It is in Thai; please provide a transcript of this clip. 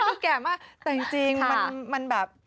น่าที่แก่มากแต่จริงทีมันแบบ